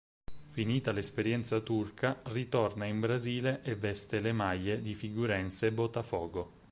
Finita l'esperienza turca, ritorna in Brasile e veste le maglie di Figueirense e Botafogo.